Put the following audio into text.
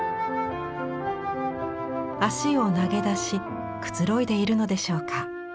足を投げ出しくつろいでいるのでしょうか。